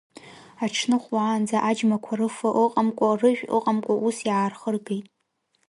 Аҽны хәлаанӡа аџьмақәа рыфа ыҟамкәа, рыжә ыҟамкәа ус иаархыргеит.